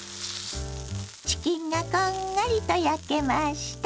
チキンがこんがりと焼けました。